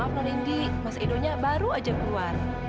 maaf nondendi mas edonya baru aja keluar